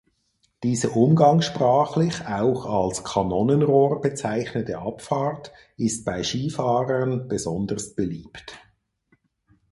Diese umgangssprachlich auch als „Kanonenrohr“ bezeichnete Abfahrt ist bei Skifahrern besonders beliebt.